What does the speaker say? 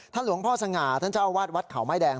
หลวงพ่อสง่าท่านเจ้าอาวาสวัดเขาไม้แดง